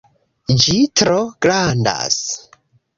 Ĝi tro grandas